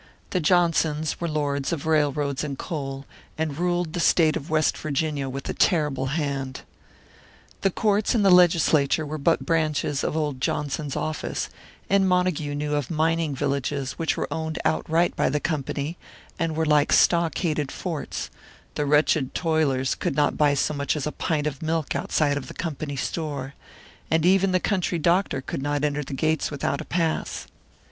The Johnsons were lords of railroads and coal, and ruled the state of West Virginia with a terrible hand. The courts and the legislature were but branches of old Johnson's office, and Montague knew of mining villages which were owned outright by the Company, and were like stockaded forts; the wretched toilers could not buy so much as a pint of milk outside of the Company store, and even the country doctor could not enter the gates without a pass.